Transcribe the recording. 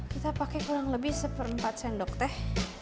kita pakai kurang lebih satu empat sendok teh